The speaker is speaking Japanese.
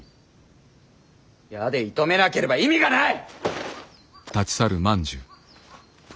矢で射止めなければ意味がない！